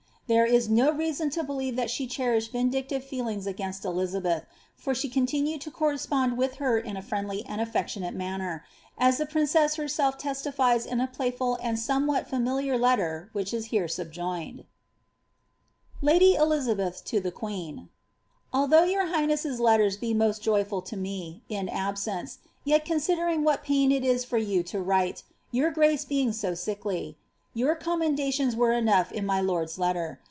no reason to believe that she cherished vindictive feelings Izabeth ; for she continued to correspond with her in a friendly onate manner, as the princess herself testifies in the playful vhat familiar letter which is here subjoined :— LIDT XLIZABSTH TO Til <lUKS3r.' ifa your bighncss's letters be most joyful to me in absence, yet ooq lat pain it is for you to write, your grace being so sickly, your com vrere enough in my lord's letter.